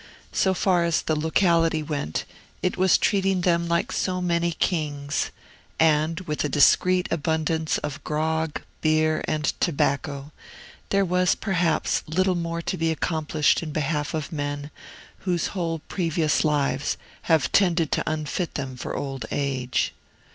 So far as the locality went, it was treating them like so many kings; and, with a discreet abundance of grog, beer, and tobacco, there was perhaps little more to be accomplished in behalf of men whose whole previous lives have tended to unfit them for old age.